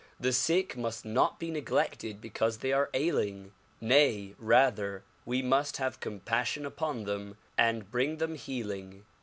The sick must not be neglected because they are ailing; nay, rather, we must have com passion upon them and bring them healing.